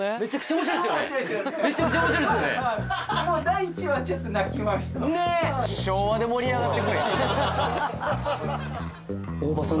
もう第１話ちょっと泣きましたねっ！